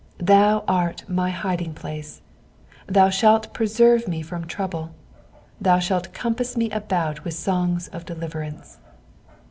7 Thou art my hiding place ; thou shalt preserve me from trouble ; thou shalt compass me about with songs of deliverance.